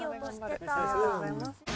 ありがとうございます。